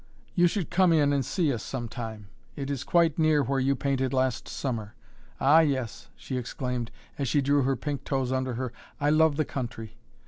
You should come in and see us some time; it is quite near where you painted last summer. Ah yes," she exclaimed, as she drew her pink toes under her, "I love the country!